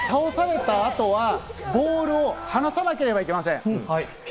攻める側は倒された後はボールを離さなければいけません。